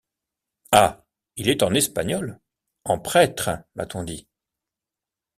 Ah! il est en Espagnol? en prêtre, m’a-t-on dit.